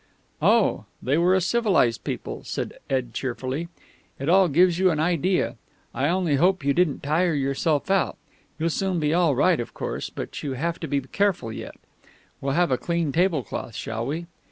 "Oh, they were a civilised people," said Ed cheerfully. "It all gives you an idea. I only hope you didn't tire yourself out. You'll soon be all right, of course, but you have to be careful yet. We'll have a clean tablecloth, shall we?"